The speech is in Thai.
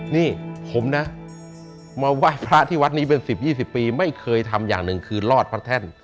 นี่ผมนะมาไหว้พระที่วัดนี้เป็น๑๐๒๐ปีไม่เคยทำอย่างหนึ่งคือรอดพระแท่น